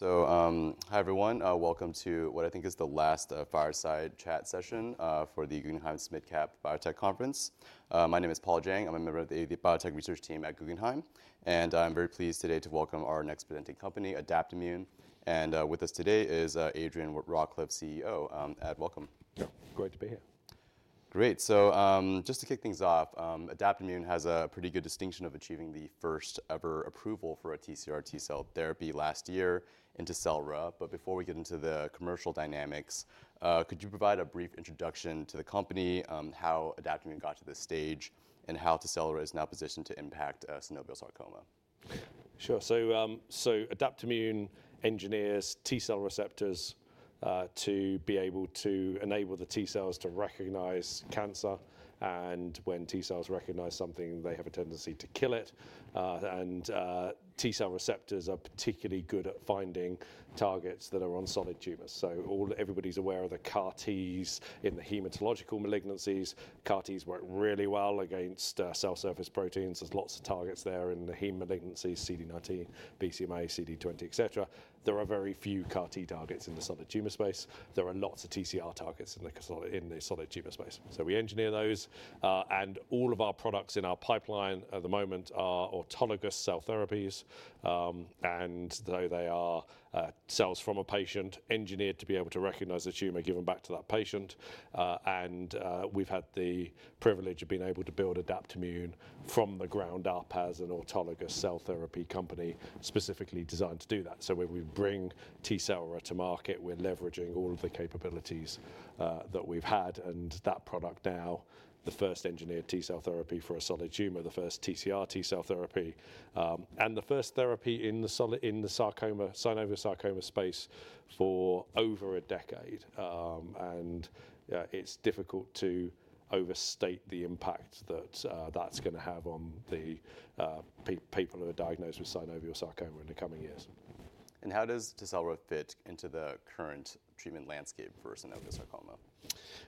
Hi everyone. Welcome to what I think is the last fireside chat session for the Guggenheim SMID Cap Biotech Conference. My name is Paul Jeng. I'm a member of the Biotech Research Team at Guggenheim, and I'm very pleased today to welcome our next presenting company, Adaptimmune. With us today is Adrian Rawcliffe, CEO. Ad, welcome. Yeah, great to be here. Great. Just to kick things off, Adaptimmune has a pretty good distinction of achieving the first-ever approval for a TCR T-cell therapy last year in TECELRA. Before we get into the commercial dynamics, could you provide a brief introduction to the company, how Adaptimmune got to this stage, and how TECELRA is now positioned to impact synovial sarcoma? Sure. Adaptimmune engineers T-cell receptors to be able to enable the T-cells to recognize cancer. When T-cells recognize something, they have a tendency to kill it. T-cell receptors are particularly good at finding targets that are on solid tumors. Everybody's aware of the CAR-Ts in the hematological malignancies. CAR-Ts work really well against cell surface proteins. There's lots of targets there in the heme malignancies: CD19, BCMA, CD20, et cetera. There are very few CAR-T targets in the solid tumor space. There are lots of TCR targets in the solid tumor space. We engineer those. All of our products in our pipeline at the moment are autologous cell therapies. They are cells from a patient engineered to be able to recognize a tumor given back to that patient. We have had the privilege of being able to build Adaptimmune from the ground up as an autologous cell therapy company specifically designed to do that. When we bring TECELRA to market, we are leveraging all of the capabilities that we have had and that product now, the first engineered T-cell therapy for a solid tumor, the first TCR T-cell therapy, and the first therapy in the sarcoma, synovial sarcoma space for over a decade. It is difficult to overstate the impact that is going to have on the people who are diagnosed with synovial sarcoma in the coming years. How does TECELRA fit into the current treatment landscape for synovial sarcoma?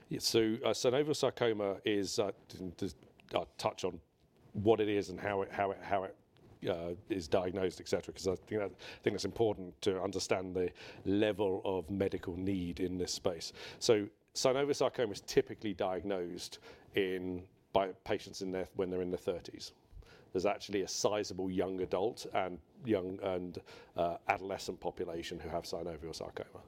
Yeah, synovial sarcoma is, to touch on what it is and how it is diagnosed, et cetera. 'Cause I think that's important to understand the level of medical need in this space. Synovial sarcoma is typically diagnosed in, by patients in their, when they're in their thirties. There's actually a sizable young adult and adolescent population who have synovial sarcoma.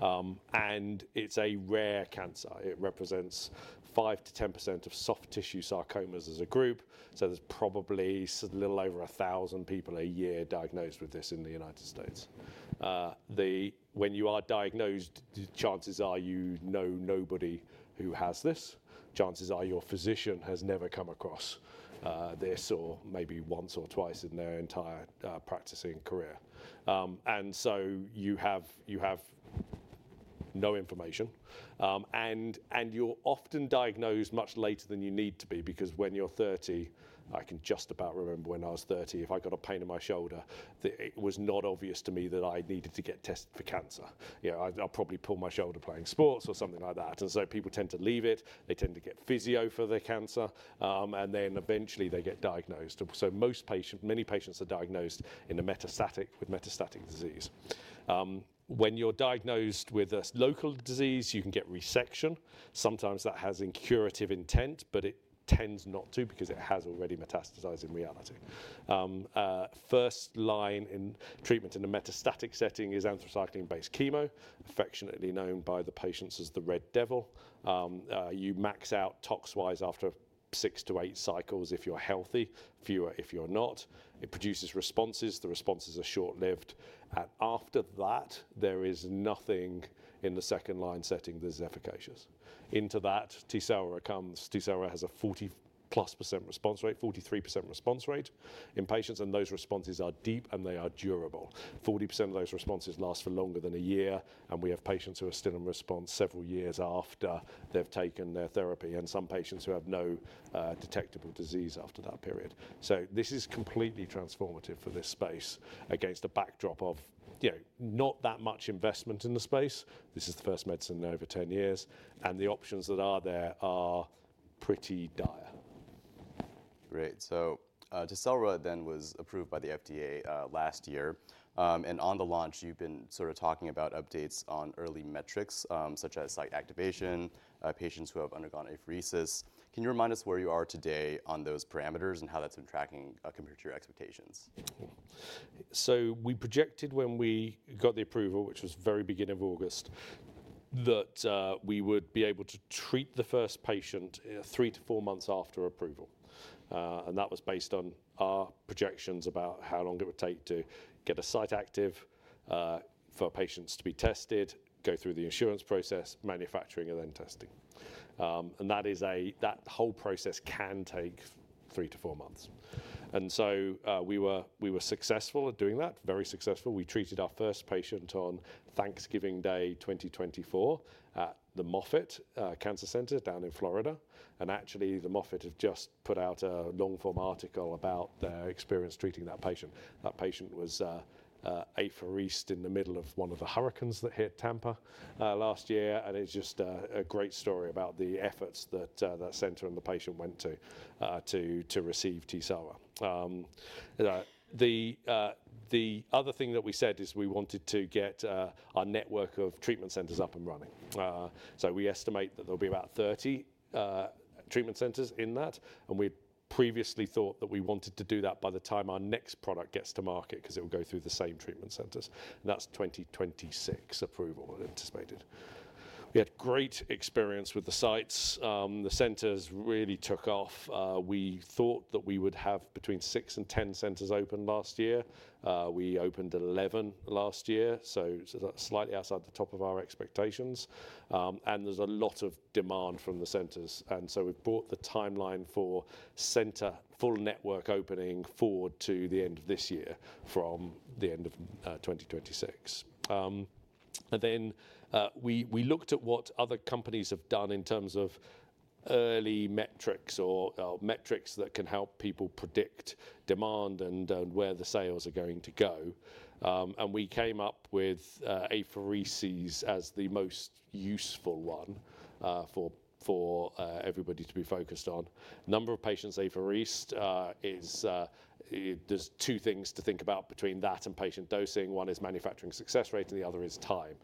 And it's a rare cancer. It represents 5-10% of soft tissue sarcomas as a group. There's probably a little over 1,000 people a year diagnosed with this in the United States. When you are diagnosed, chances are you know nobody who has this. Chances are your physician has never come across this or maybe once or twice in their entire practicing career. And so you have, you have no information. And you're often diagnosed much later than you need to be because when you're 30, I can just about remember when I was 30, if I got a pain in my shoulder, it was not obvious to me that I needed to get tested for cancer. You know, I'd probably pull my shoulder playing sports or something like that. People tend to leave it. They tend to get physio for their cancer, and then eventually they get diagnosed. Most patients, many patients are diagnosed with metastatic disease. When you are diagnosed with a local disease, you can get resection. Sometimes that has a curative intent, but it tends not to because it has already metastasized in reality. First line in treatment in a metastatic setting is anthracycline-based chemo, affectionately known by the patients as the Red Devil. You max out tox-wise after six to eight cycles if you are healthy, fewer if you are not. It produces responses. The responses are short-lived. After that, there is nothing in the second line setting that is efficacious. Into that, TECELRA comes. TECELRA has a 40% plus response rate, 43% response rate in patients. Those responses are deep and they are durable. 40% of those responses last for longer than a year. We have patients who are still in response several years after they've taken their therapy and some patients who have no detectable disease after that period. This is completely transformative for this space against a backdrop of, you know, not that much investment in the space. This is the first medicine in over 10 years. The options that are there are pretty dire. Great. TECELRA then was approved by the FDA last year. On the launch, you've been sort of talking about updates on early metrics, such as site activation, patients who have undergone apheresis. Can you remind us where you are today on those parameters and how that's been tracking, compared to your expectations? We projected when we got the approval, which was very beginning of August, that we would be able to treat the first patient three to four months after approval. That was based on our projections about how long it would take to get a site active, for patients to be tested, go through the insurance process, manufacturing, and then testing. That whole process can take three to four months. We were successful at doing that, very successful. We treated our first patient on Thanksgiving Day 2024 at the Moffitt Cancer Center down in Florida. Actually, the Moffitt have just put out a long-form article about their experience treating that patient. That patient was apheresed in the middle of one of the hurricanes that hit Tampa last year. It's just a great story about the efforts that center and the patient went to, to receive TECELRA. The other thing that we said is we wanted to get our network of treatment centers up and running. We estimate that there will be about 30 treatment centers in that. We previously thought that we wanted to do that by the time our next product gets to market, 'cause it'll go through the same treatment centers. And that's 2026 approval anticipated. We had great experience with the sites. The centers really took off. We thought that we would have between six and 10 centers open last year. We opened 11 last year. It's slightly outside the top of our expectations. There is a lot of demand from the centers. We have brought the timeline for center full network opening forward to the end of this year from the end of 2026. We looked at what other companies have done in terms of early metrics or metrics that can help people predict demand and where the sales are going to go. We came up with aphereses as the most useful one for everybody to be focused on. Number of patients apheresed, there are two things to think about between that and patient dosing. One is manufacturing success rate, and the other is time.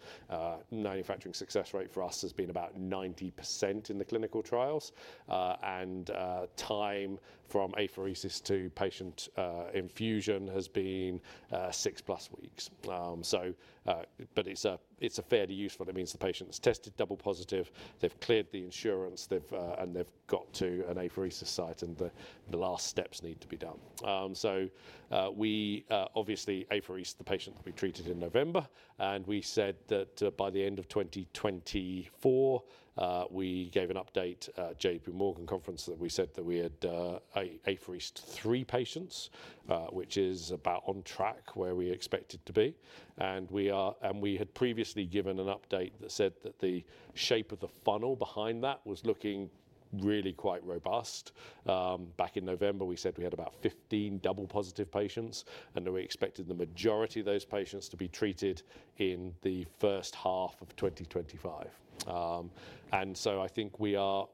Manufacturing success rate for us has been about 90% in the clinical trials. Time from apheresis to patient infusion has been six plus weeks. It is a fairly useful. It means the patient's tested double positive, they've cleared the insurance, they've got to an apheresis site and the last steps need to be done. We obviously apheresed the patient that we treated in November. We said that, by the end of 2024, we gave an update at the JP Morgan conference that we had apheresed three patients, which is about on track where we expected to be. We had previously given an update that said that the shape of the funnel behind that was looking really quite robust. Back in November, we said we had about 15 double positive patients and that we expected the majority of those patients to be treated in the first half of 2025. I think we are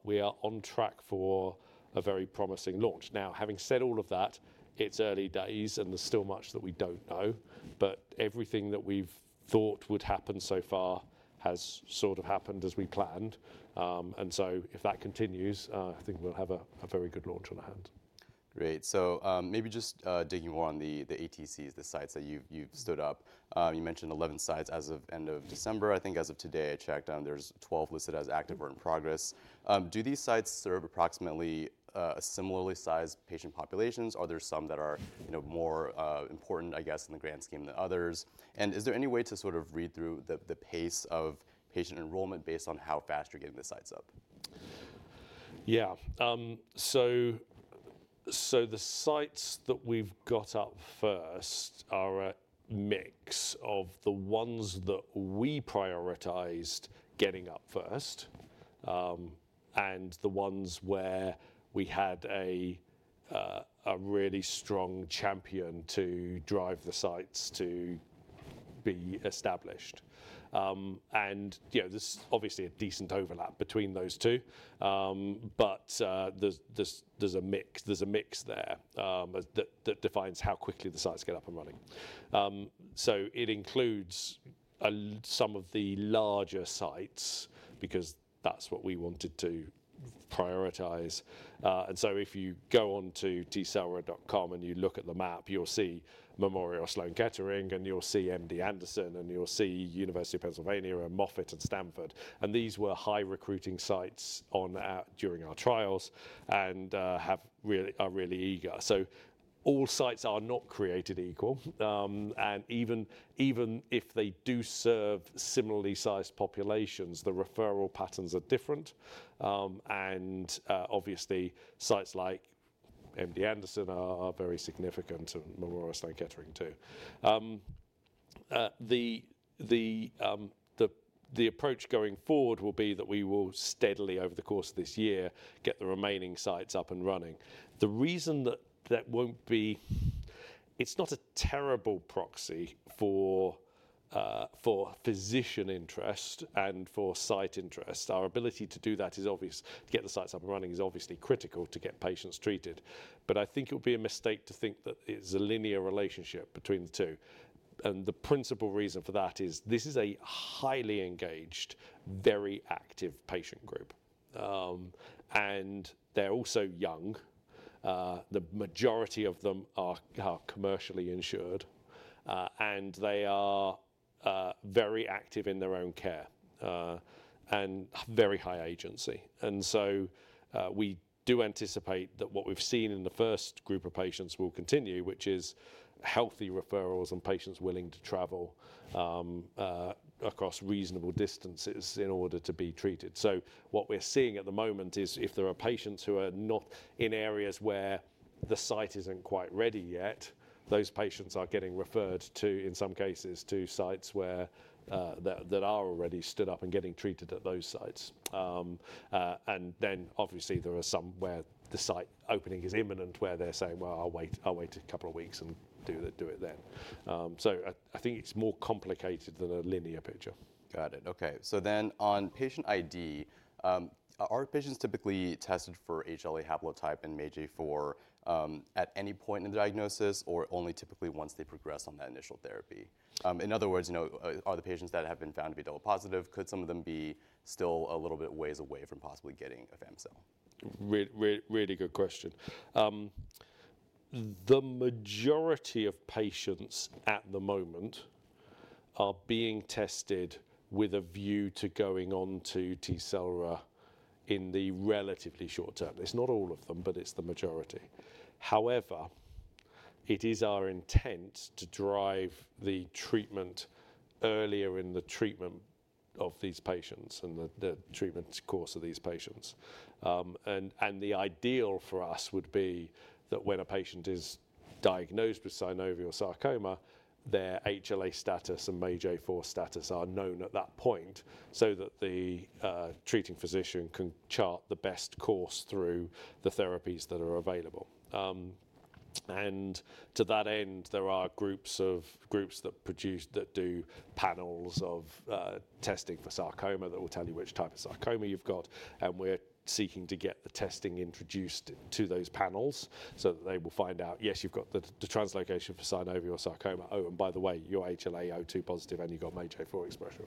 on track for a very promising launch. Now, having said all of that, it's early days and there's still much that we don't know, but everything that we've thought would happen so far has sort of happened as we planned. If that continues, I think we'll have a very good launch on our hands. Great. Maybe just digging more on the ATCs, the sites that you've stood up. You mentioned 11 sites as of end of December. I think as of today, I checked on, there's 12 listed as active or in progress. Do these sites serve approximately similarly sized patient populations? Are there some that are, you know, more important, I guess, in the grand scheme than others? Is there any way to sort of read through the pace of patient enrollment based on how fast you're getting the sites up? Yeah. So, the sites that we've got up first are a mix of the ones that we prioritized getting up first, and the ones where we had a really strong champion to drive the sites to be established. And, you know, there's obviously a decent overlap between those two. But, there's a mix, there's a mix there, that defines how quickly the sites get up and running. So it includes some of the larger sites because that's what we wanted to prioritize. And so if you go onto tecelra.com and you look at the map, you'll see Memorial Sloan Kettering and you'll see MD Anderson and you'll see University of Pennsylvania and Moffitt and Stanford. And these were high recruiting sites on our, during our trials and have really, are really eager. So all sites are not created equal. Even if they do serve similarly sized populations, the referral patterns are different. Obviously, sites like MD Anderson are very significant, and Memorial Sloan Kettering too. The approach going forward will be that we will steadily over the course of this year get the remaining sites up and running. The reason that won't be, it's not a terrible proxy for physician interest and for site interest. Our ability to do that, to get the sites up and running, is obviously critical to get patients treated. I think it would be a mistake to think that it's a linear relationship between the two. The principal reason for that is this is a highly engaged, very active patient group, and they're also young. The majority of them are commercially insured, and they are very active in their own care, and very high agency. We do anticipate that what we've seen in the first group of patients will continue, which is healthy referrals and patients willing to travel across reasonable distances in order to be treated. What we are seeing at the moment is if there are patients who are not in areas where the site isn't quite ready yet, those patients are getting referred, in some cases, to sites that are already stood up and getting treated at those sites. Obviously, there are some where the site opening is imminent where they're saying, I'll wait, I'll wait a couple of weeks and do that, do it then. I think it's more complicated than a linear picture. Got it. Okay. So then on patient ID, are patients typically tested for HLA haplotype and MAGE-A4 at any point in the diagnosis or only typically once they progress on that initial therapy? In other words, you know, are the patients that have been found to be double positive, could some of them be still a little bit ways away from possibly getting afami-cel? Really, really good question. The majority of patients at the moment are being tested with a view to going on to TECELRA in the relatively short term. It's not all of them, but it's the majority. However, it is our intent to drive the treatment earlier in the treatment of these patients and the treatment course of these patients. The ideal for us would be that when a patient is diagnosed with synovial sarcoma, their HLA status and MAGE-A4 status are known at that point so that the treating physician can chart the best course through the therapies that are available. To that end, there are groups that produce, that do panels of testing for sarcoma that will tell you which type of sarcoma you've got. We are seeking to get the testing introduced to those panels so that they will find out, yes, you've got the translocation for synovial sarcoma. Oh, and by the way, you're HLA-A*02 positive and you've got MAGE-A4 expression.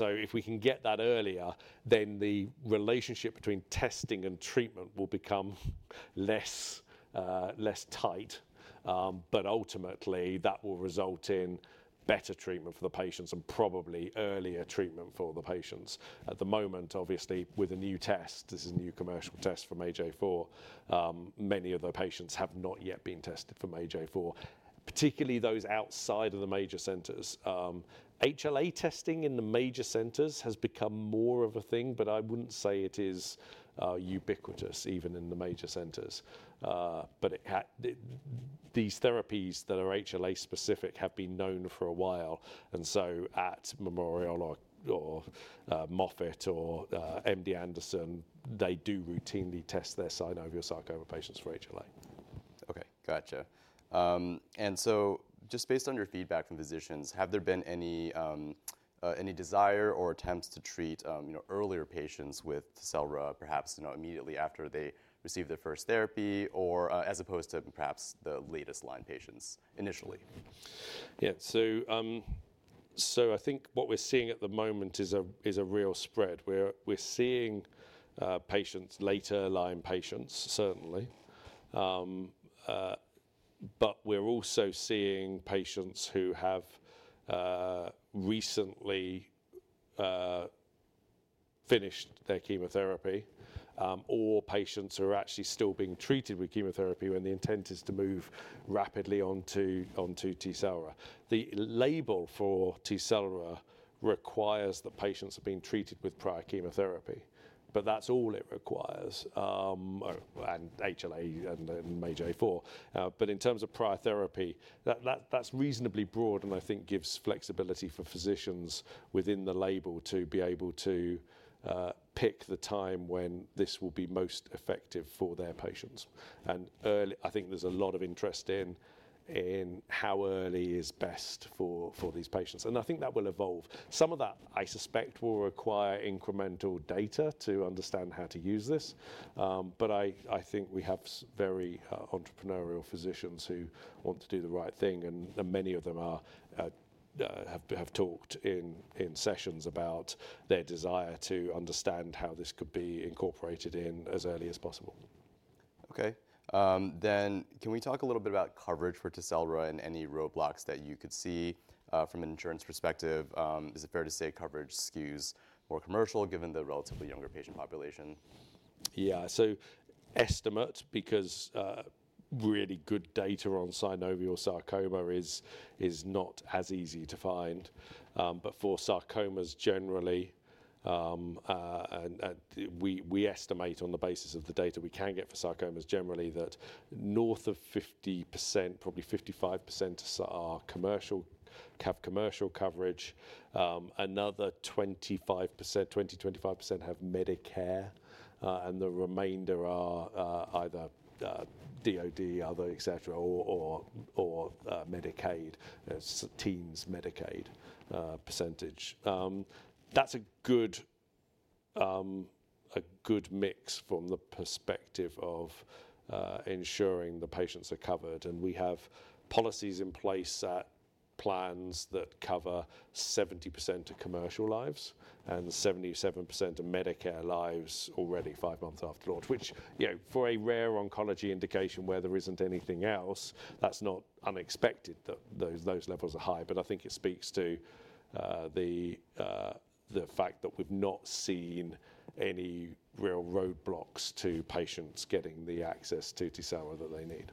If we can get that earlier, then the relationship between testing and treatment will become less tight. Ultimately that will result in better treatment for the patients and probably earlier treatment for the patients. At the moment, obviously with a new test, this is a new commercial test for MAGE-A4, many of the patients have not yet been tested for MAGE-A4, particularly those outside of the major centers. HLA testing in the major centers has become more of a thing, but I wouldn't say it is ubiquitous even in the major centers. but these therapies that are HLA specific have been known for a while. And so at Memorial, or Moffitt, or MD Anderson, they do routinely test their synovial sarcoma patients for HLA. Okay. Gotcha. And so just based on your feedback from physicians, have there been any, any desire or attempts to treat, you know, earlier patients with TECELRA perhaps, you know, immediately after they receive their first therapy or, as opposed to perhaps the latest line patients initially? Yeah. I think what we're seeing at the moment is a real spread. We are seeing patients, later line patients certainly. We are also seeing patients who have recently finished their chemotherapy, or patients who are actually still being treated with chemotherapy when the intent is to move rapidly onto TECELRA. The label for TECELRA requires that patients have been treated with prior chemotherapy, but that's all it requires. And HLA and MAGE-A4. In terms of prior therapy, that's reasonably broad and I think gives flexibility for physicians within the label to be able to pick the time when this will be most effective for their patients. Early, I think there's a lot of interest in how early is best for these patients. I think that will evolve. Some of that I suspect will require incremental data to understand how to use this. I think we have very entrepreneurial physicians who want to do the right thing, and many of them have talked in sessions about their desire to understand how this could be incorporated in as early as possible. Okay. Then can we talk a little bit about coverage for TECELRA and any roadblocks that you could see, from an insurance perspective? Is it fair to say coverage skews more commercial given the relatively younger patient population? Yeah. Estimate, because really good data on synovial sarcoma is not as easy to find. For sarcomas generally, we estimate on the basis of the data we can get for sarcomas generally that north of 50%, probably 55%, have commercial coverage. Another 20%-25% have Medicare, and the remainder are either DOD, other, et cetera, or Medicaid, teens Medicaid percentage. That's a good mix from the perspective of ensuring the patients are covered. We have policies in place that plans that cover 70% of commercial lives and 77% of Medicare lives already five months after launch, which, you know, for a rare oncology indication where there isn't anything else, that's not unexpected that those levels are high. I think it speaks to the fact that we've not seen any real roadblocks to patients getting the access to TECELRA that they need.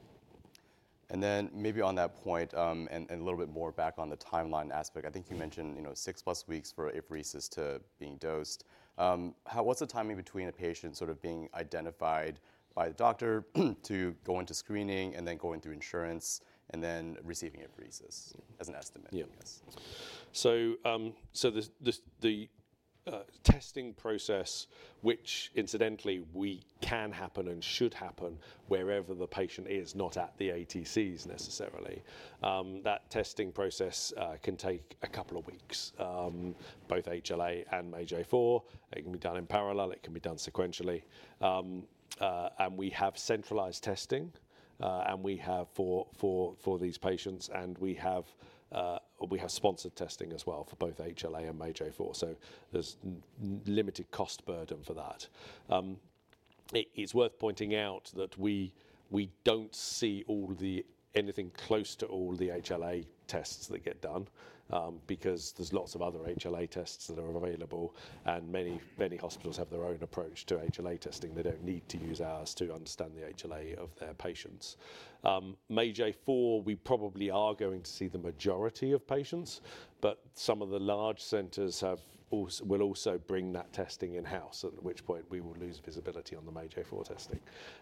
Maybe on that point, and a little bit more back on the timeline aspect, I think you mentioned, you know, six plus weeks for apheresis to being dosed. How, what's the timing between a patient sort of being identified by the doctor to going to screening and then going through insurance and then receiving apheresis as an estimate? Yeah. I guess. The testing process, which incidentally can happen and should happen wherever the patient is, not at the ATCs necessarily. That testing process can take a couple of weeks, both HLA and MAGE-A4. It can be done in parallel. It can be done sequentially. We have centralized testing, and we have for these patients, and we have sponsored testing as well for both HLA and MAGE-A4. So there is limited cost burden for that. It is worth pointing out that we do not see anything close to all the HLA tests that get done, because there are lots of other HLA tests that are available and many hospitals have their own approach to HLA testing. They do not need to use ours to understand the HLA of their patients. MAGE-A4, we probably are going to see the majority of patients, but some of the large centers have also, will also bring that testing in-house, at which point we will lose visibility on the MAGE-A4 testing.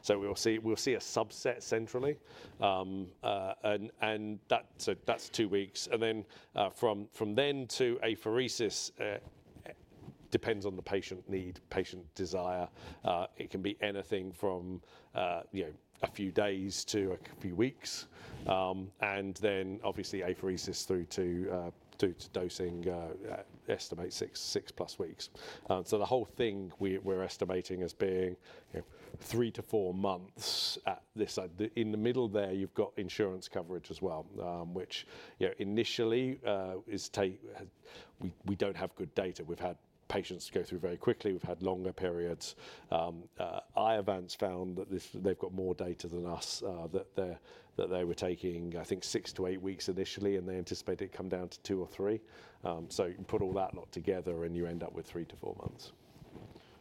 We will see a subset centrally. That is two weeks. Then, from then to apheresis, depends on the patient need, patient desire. It can be anything from, you know, a few days to a few weeks. Then obviously apheresis through to dosing, estimate six, six plus weeks. The whole thing we are estimating as being, you know, three to four months at this. In the middle there, you have got insurance coverage as well, which, you know, initially, is take, we do not have good data. We have had patients go through very quickly. We have had longer periods. Iovance found that this, they've got more data than us, that they're, that they were taking, I think six to eight weeks initially and they anticipate it come down to two or three. You put all that lot together and you end up with three to four months.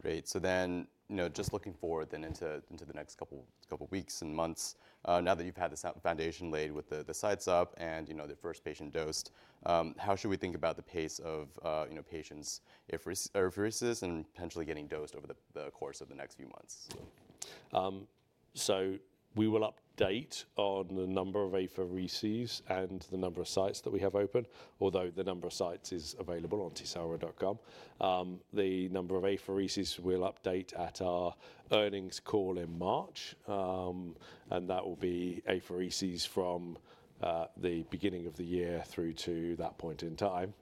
Great. So then, you know, just looking forward then into, into the next couple, couple weeks and months, now that you've had this foundation laid with the, the sites up and, you know, the first patient dosed, how should we think about the pace of, you know, patients if, if apheresis and potentially getting dosed over the, the course of the next few months? We will update on the number of aphereses and the number of sites that we have open, although the number of sites is available on tecelra.com. The number of aphereses we'll update at our earnings call in March, and that will be aphereses from the beginning of the year through to that point in time.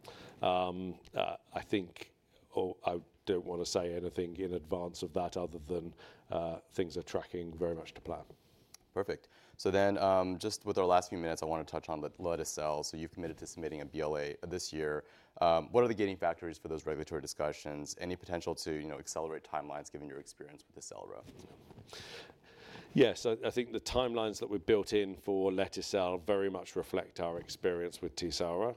I think, oh, I don't want to say anything in advance of that other than, things are tracking very much to plan. Perfect. With our last few minutes, I wanna touch on lete-cel. You have committed to submitting a BLA this year. What are the gating factors for those regulatory discussions? Any potential to, you know, accelerate timelines given your experience with TECELRA? Yes. I think the timelines that we've built in for lete-cel very much reflect our experience with TECELRA,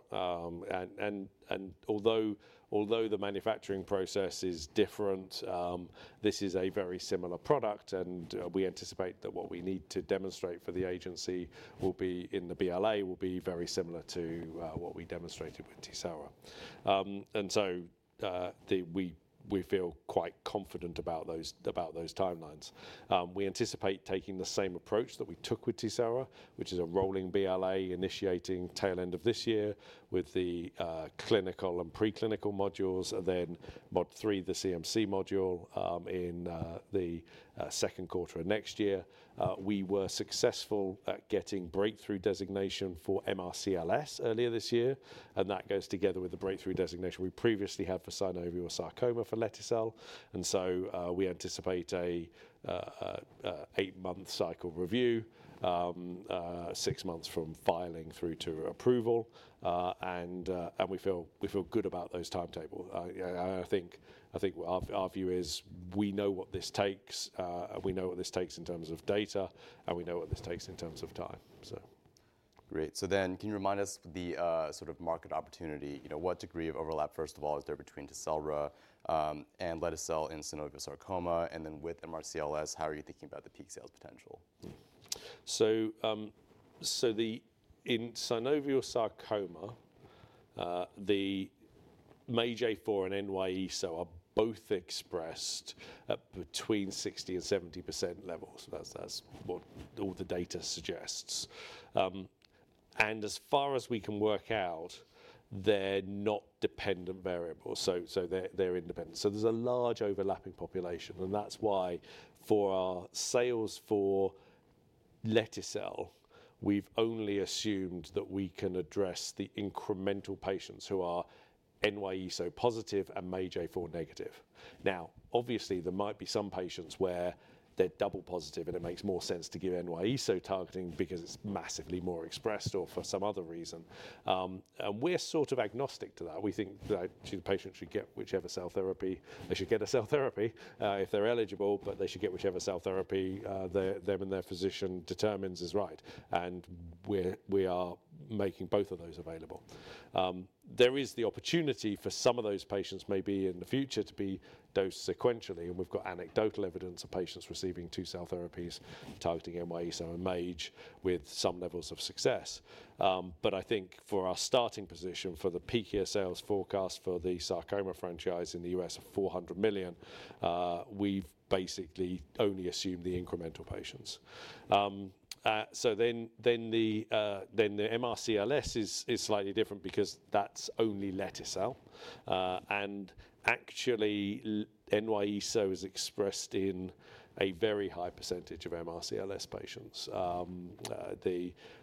and although the manufacturing process is different, this is a very similar product and we anticipate that what we need to demonstrate for the agency will be in the BLA will be very similar to what we demonstrated with TECELRA. We feel quite confident about those timelines. We anticipate taking the same approach that we took with TECELRA, which is a rolling BLA initiating tail end of this year with the clinical and preclinical modules, then mod three, the CMC module, in the second quarter of next year. We were successful at getting breakthrough designation for MRCLS earlier this year. That goes together with the breakthrough designation we previously had for synovial sarcoma for lete-cel. We anticipate an eight month cycle review, six months from filing through to approval. We feel good about those timetable. I think our view is we know what this takes, and we know what this takes in terms of data and we know what this takes in terms of time. Great. Can you remind us the, sort of market opportunity, you know, what degree of overlap, first of all, is there between TECELRA and lete-cel in synovial sarcoma? And then with MRCLS, how are you thinking about the peak sales potential? In synovial sarcoma, the MAGE-A4 and NY-ESO-1 are both expressed, between 60% and 70% levels. That's what all the data suggests. And as far as we can work out, they're not dependent variables. They're independent. So there's a large overlapping population. That's why for our sales for lete-cel, we've only assumed that we can address the incremental patients who are NY-ESO-1 positive and MAGE-A4 negative. Now, obviously there might be some patients where they're double positive and it makes more sense to give NY-ESO-1 targeting because it's massively more expressed or for some other reason. We are sort of agnostic to that. We think that the patient should get whichever cell therapy, they should get a cell therapy, if they're eligible, but they should get whichever cell therapy they, them and their physician determines is right. We are making both of those available. There is the opportunity for some of those patients maybe in the future to be dosed sequentially. We have got anecdotal evidence of patients receiving two cell therapies targeting NY-ESO-1 and MAGE with some levels of success. I think for our starting position for the peak year sales forecast for the sarcoma franchise in the US of $400 million, we have basically only assumed the incremental patients. The MRCLS is slightly different because that is only lete-cel. Actually, NY-ESO-1 is expressed in a very high percentage of MRCLS patients.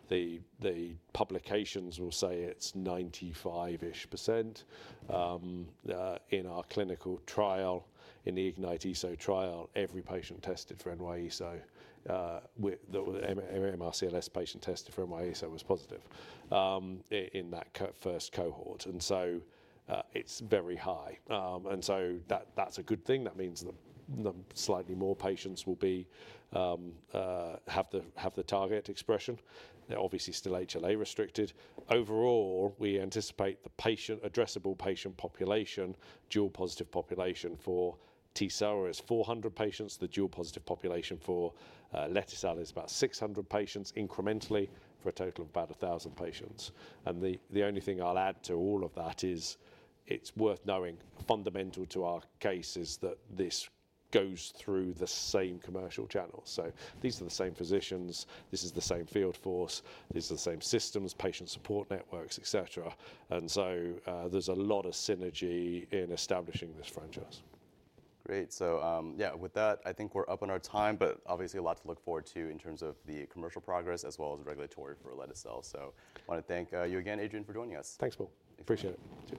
The publications will say it is 95% or so. In our clinical trial, in the IGNITE-ESO trial, every MRCLS patient tested for NY-ESO-1 was positive in that first cohort. It is very high. That means the slightly more patients will be, have the, have the target expression. They're obviously still HLA restricted. Overall, we anticipate the addressable patient population, dual positive population for TECELRA is 400 patients. The dual positive population for lete-cel is about 600 patients incrementally for a total of about 1,000 patients. The only thing I'll add to all of that is it's worth knowing fundamental to our case is that this goes through the same commercial channels. These are the same physicians, this is the same field force, these are the same systems, patient support networks, et cetera. There's a lot of synergy in establishing this franchise. Great. Yeah, with that, I think we're up on our time, but obviously a lot to look forward to in terms of the commercial progress as well as regulatory for lete-cel. I wanna thank you again, Adrian, for joining us. Thanks, Paul. Appreciate it. Thank you.